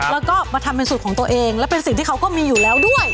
แล้วก็มาทำเป็นสูตรของตัวเองและเป็นสิ่งที่เขาก็มีอยู่แล้วด้วย